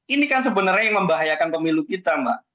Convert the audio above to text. ini kan sebenarnya yang membahayakan pemilu kita mbak